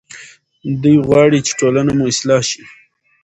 دی غواړي چې ټولنه مو اصلاح شي.